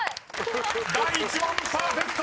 ［第１問パーフェクト！］